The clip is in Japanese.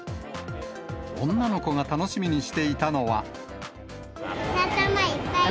女の子が楽しみにしていたのは。